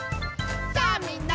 「さあみんな！